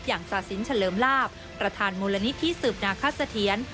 อย่างศาษิณเฉลิมลาบประธานมูลนิธที่สืบนาคศเถียน